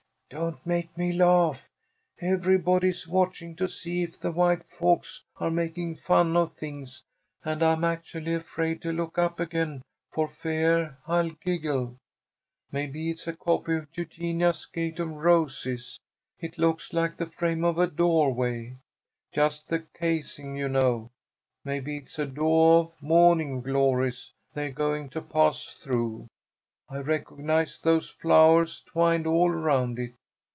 Don't make me laugh! Everybody is watching to see if the white folks are making fun of things, and I'm actually afraid to look up again for feah I'll giggle. Maybe it's a copy of Eugenia's gate of roses. It looks like the frame of a doahway. Just the casing, you know. Maybe it's a doah of mawning glories they're going to pass through. I recognize those flowahs twined all around it.